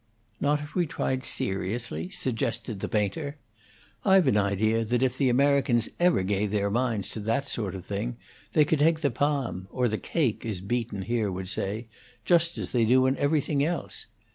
"Not if we tried seriously?" suggested the painter. "I've an idea that if the Americans ever gave their minds to that sort of thing, they could take the palm or the cake, as Beaton here would say just as they do in everything else.